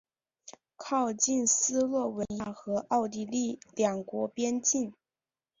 靠近斯洛文尼亚和奥地利两国边境。